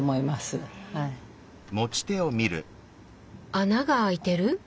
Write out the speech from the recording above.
穴が開いてる？